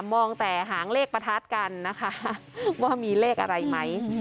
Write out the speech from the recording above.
มองแต่หางเลขประทัดกันนะคะว่ามีเลขอะไรไหม